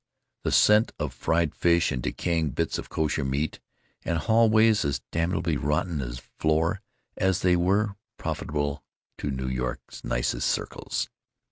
The scent of fried fish and decaying bits of kosher meat, and hallways as damnably rotten of floor as they were profitable to New York's nicest circles.